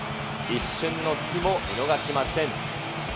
一瞬のすきも見逃しません。